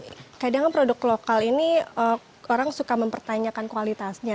kadang kan produk lokal ini orang suka mempertanyakan kualitasnya